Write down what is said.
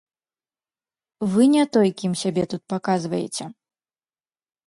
Вы не той, кім сябе тут паказваеце.